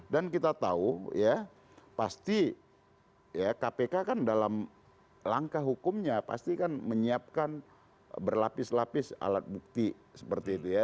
dan kita tahu ya pasti kpk kan dalam langkah hukumnya pasti kan menyiapkan berlapis lapis alat bukti seperti itu ya